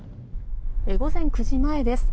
午前９時前です。